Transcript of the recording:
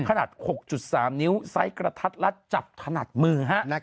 ขนาด๖๓นิ้วไซส์กระทัดรัดจับถนัดมือ